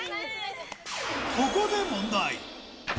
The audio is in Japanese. ここで問題。